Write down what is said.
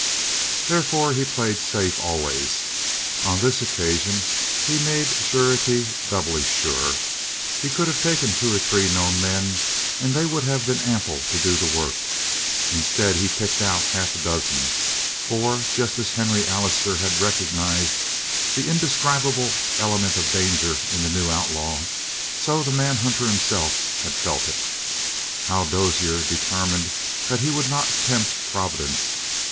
Therefore he played safe always. On this occasion he made surety doubly sure. He could have taken two or three known men, and they would have been ample to do the work. Instead, he picked out half a dozen. For just as Henry Allister had recognized that indescribable element of danger in the new outlaw, so the manhunter himself had felt it. Hal Dozier determined that he would not tempt Providence.